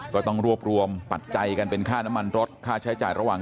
ก็ต้องรวบรวมปัจจัยกันเป็นค่าน้ำมันรถค่าใช้จ่ายระหว่าง